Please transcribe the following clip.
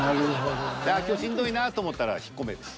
今日しんどいなと思ったら引っ込めるし。